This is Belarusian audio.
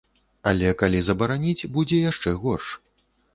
Але калі забараніць, будзе яшчэ горш.